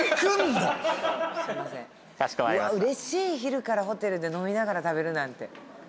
うれしい昼からホテルで飲みながら食べるなんて。